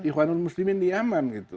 ikhwanul muslimin di yemen